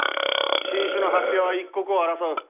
新種の発表は一刻を争う。